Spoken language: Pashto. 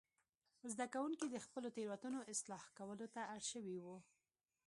زده کوونکي د خپلو تېروتنو اصلاح کولو ته اړ شوي وو.